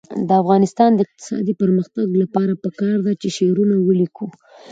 د افغانستان د اقتصادي پرمختګ لپاره پکار ده چې شعرونه ولیکو.